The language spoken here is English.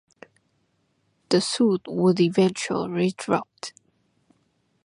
The suit was eventually dropped.